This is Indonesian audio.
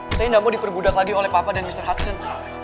saya tidak mau diperbudak lagi oleh papa dan mr harction